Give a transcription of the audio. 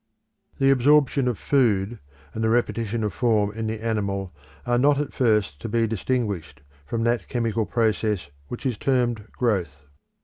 The absorption of food and the repetition of form in the animal are not at first to be distinguished from that chemical process which is termed growth.